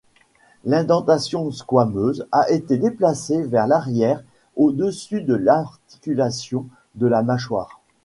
L'indentation squameuse a été déplacée vers l'arrière au-dessus de l'articulation de la mâchoire.